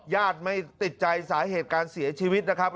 ญาติไม่ติดใจสาเหตุการเสียชีวิตนะครับ